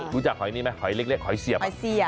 รู้จักหอยนี่ไหมหอยเล็กหอยเสียบ